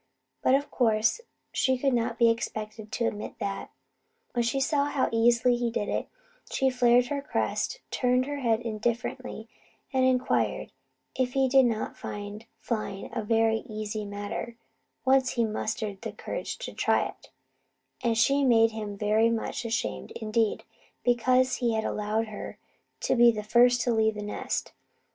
But, of course, she could not be expected to admit that. When she saw how easily he did it, she flared her crest, turned her head indifferently, and inquired if he did not find flying a very easy matter, once he mustered courage to try it; and she made him very much ashamed indeed because he had allowed her to be the first to leave the nest.